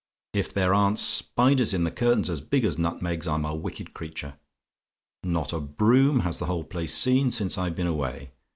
If there aren't spiders in the curtains as big as nutmegs, I'm a wicked creature. Not a broom has the whole place seen since I've been away.